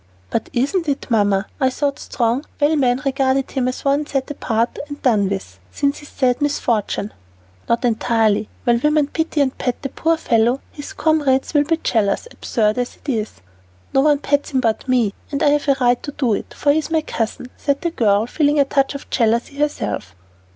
"But isn't it, Mamma? I thought strong, well men regarded him as one set apart and done with, since his sad misfortune." "Not entirely; while women pity and pet the poor fellow, his comrades will be jealous, absurd as it is." "No one pets him but me, and I have a right to do it, for he is my cousin," said the girl, feeling a touch of jealousy herself.